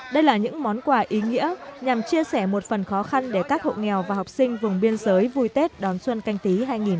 đây là những món quà ý nghĩa nhằm chia sẻ một phần khó khăn để các hộ nghèo và học sinh vùng biên giới vui tết đón xuân canh tí hai nghìn hai mươi